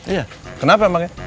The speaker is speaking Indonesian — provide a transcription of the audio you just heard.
iya kenapa pak